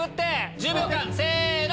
１０秒間せの！